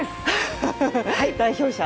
代表者。